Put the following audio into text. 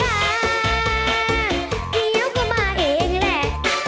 เดี๋ยวก็มาเองแหละ